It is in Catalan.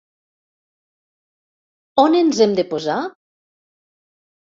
On ens hem de posar?